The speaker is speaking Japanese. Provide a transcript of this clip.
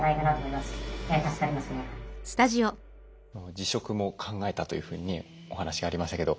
辞職も考えたというふうにねお話がありましたけど。